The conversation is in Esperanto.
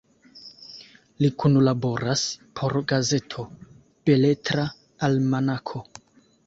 Li kunlaboras por gazeto Beletra Almanako.